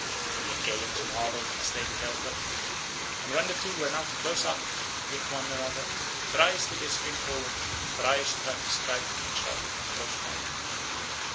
The Achaeans marvelled as they beheld them, and when the two were now close up with one another, thrice did they spring forward and thrice try to strike each other in close combat.